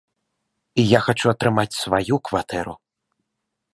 І я хачу атрымаць сваю кватэру!